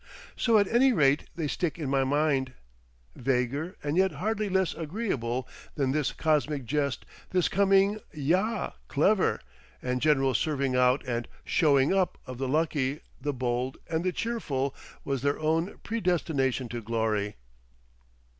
So at any rate they stick in my mind. Vaguer, and yet hardly less agreeable than this cosmic jest, this coming "Yah, clever!" and general serving out and "showing up" of the lucky, the bold, and the cheerful, was their own predestination to Glory.